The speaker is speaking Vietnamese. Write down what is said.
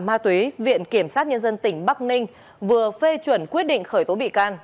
ma túy viện kiểm sát nhân dân tỉnh bắc ninh vừa phê chuẩn quyết định khởi tố bị can